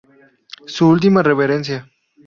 Su última reverencia.